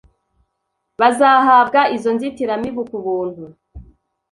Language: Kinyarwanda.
bazahabwa izo nzitiramibu ku buntu